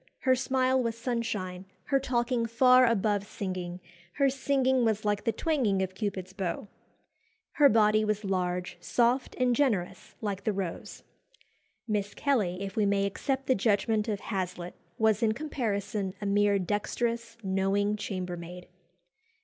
Her smile was sunshine; her talking far above singing; her singing was like the twanging of Cupid's bow. Her body was large, soft, and generous like the rose. Miss Kelly, if we may accept the judgment of Hazlitt, was in comparison a mere dexterous, knowing chambermaid.